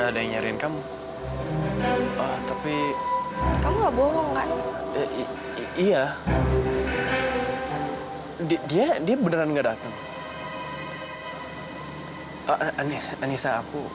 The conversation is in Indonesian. sampai jumpa di video selanjutnya